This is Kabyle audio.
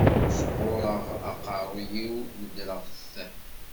Sɣureɣ aqerru-iw nedreɣ-t.